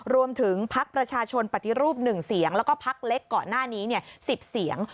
พักประชาชนปฏิรูป๑เสียงแล้วก็พักเล็กก่อนหน้านี้๑๐เสียง